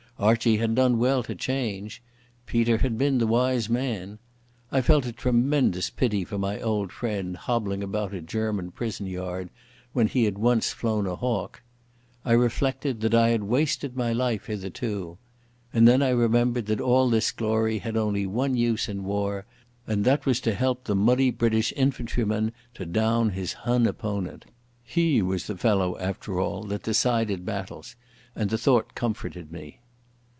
Archie had done well to change. Peter had been the wise man. I felt a tremendous pity for my old friend hobbling about a German prison yard, when he had once flown a hawk. I reflected that I had wasted my life hitherto. And then I remembered that all this glory had only one use in war and that was to help the muddy British infantryman to down his Hun opponent. He was the fellow, after all, that decided battles, and the thought comforted me.